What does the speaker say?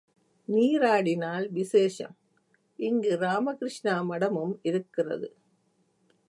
நீராடினால் விசேஷம், இங்கு ராமகிருஷ்ணா மடமும் இருக்கிறது.